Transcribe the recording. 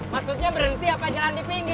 maksudnya berhenti apa jalan di pinggir